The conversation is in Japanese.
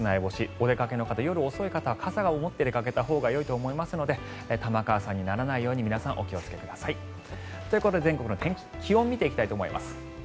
お出かけの方、夜遅い方は傘を持って出かけたほうがいいと思いますので玉川さんにならないように皆さん、お気をつけください。ということで全国の気温見ていきたいと思います。